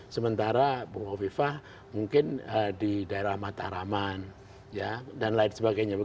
sementara bungo wifah mungkin di daerah mataharaman dan lain sebagainya